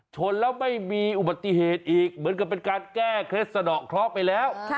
ชนแล้วไม่มีอุบัติเหตุอีกเหมือนกับเป็นการแก้เคล็ดสะดอกเคราะห์ไปแล้ว